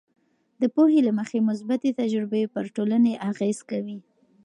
د پوهې له مخې، مثبتې تجربې پر ټولنې اغیز کوي.